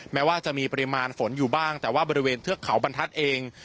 แม้ว่าจะมีปริมาณฝนอยู่บ้างแต่ว่าบริเวณเทือกเขาบรรทัศน์เอง